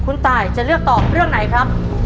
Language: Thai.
คุณตายจะเลือกตอบเรื่องไหนครับ